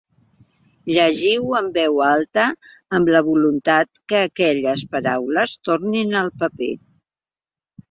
Llegeix en veu alta amb la voluntat que aquelles paraules tornin al paper.